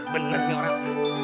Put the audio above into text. bener nih orang